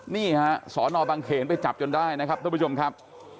นี่ฮะสอนอบังเขนไปจับจนได้นะครับทุกผู้ชมครับ